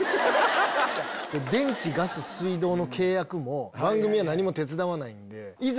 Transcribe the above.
電気ガス水道の契約も番組は何も手伝わないんでいざ